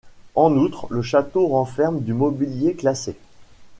En outre, le château renferme du mobilier classé.